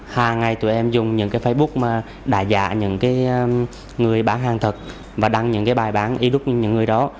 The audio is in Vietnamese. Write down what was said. hàng ngày tụi em dùng những cái facebook mà đại dạ những cái người bán hàng thật và đăng những cái bài bán y lúc như những người đó